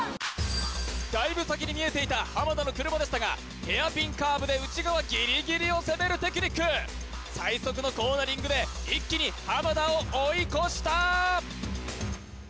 だいぶ先に見えていた田の車でしたがヘアピンカーブで内側ギリギリを攻めるテクニック最速のコーナリングで一気に田を追い越した！